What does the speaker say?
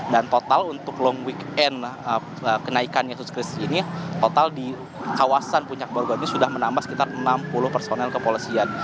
dan total untuk long weekend kenaikannya suskris ini total di kawasan puncak bogor ini sudah menambah sekitar enam puluh personel kepolisian